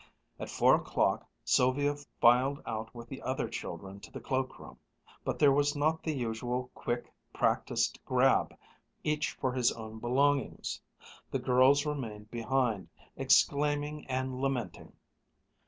At four o'clock Sylvia filed out with the other children to the cloakroom, but there was not the usual quick, practised grab, each for his own belongings. The girls remained behind, exclaiming and lamenting.